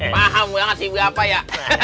paham banget sih berapa ya